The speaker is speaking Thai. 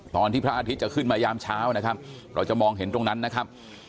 พระอาทิตย์จะขึ้นมายามเช้านะครับเราจะมองเห็นตรงนั้นนะครับ